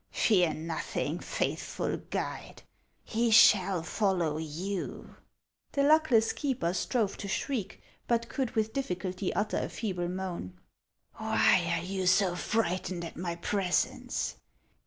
Fear nothing, faithful guide ; he shall follow you." The luckless keeper strove to shriek, but could with difficulty utter a feeble moan. " Why are you so frightened at my presence